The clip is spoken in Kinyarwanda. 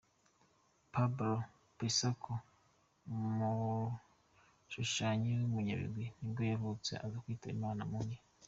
Pablo Picasso, umushushanyi w'umunyabigwi nibwo yavutse aza kwitaba Imana muri .